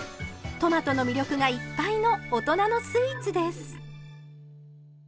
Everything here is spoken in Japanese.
トマトの魅力がいっぱいの大人のスイーツです。